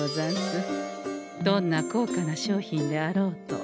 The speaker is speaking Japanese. どんな高価な商品であろうと。